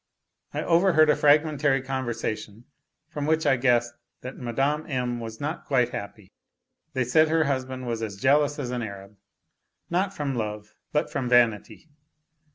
I overheard a fragmentary conversation from which I guessed that Mme. M. was not quite happy ; they said her husband was as jealous as an Arab, not from love, but from vanity.